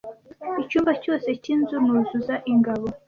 Icyumba cyose cyinzu nuzuza ingabo ,